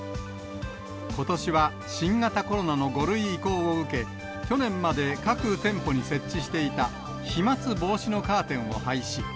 ことしは新型コロナの５類移行を受け、去年まで各店舗に設置していた飛まつ防止のカーテンを廃止。